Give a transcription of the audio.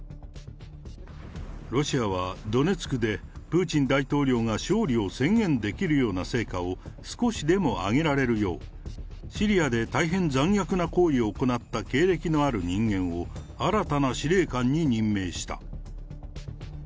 ロシアはドネツクで、プーチン大統領が勝利を宣言できるような成果を少しでも上げられるよう、シリアで大変残虐な行為を行った経歴のある人間を、新たな司令官に任命した。